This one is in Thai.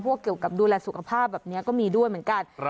เกี่ยวกับดูแลสุขภาพแบบนี้ก็มีด้วยเหมือนกัน